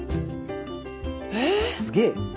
すげえ。